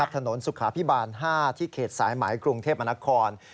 ถนนสุขาพิบาล๕ที่เขตสายไหมกรุงเทพมนคร